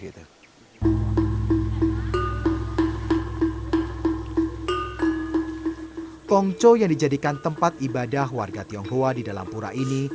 kongco yang dijadikan tempat ibadah warga tionghoa di dalam pura ini